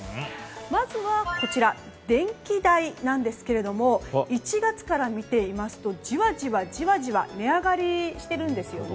まずは、電気代なんですが１月から見ていきますとじわじわじわじわ値上がりしているんですね。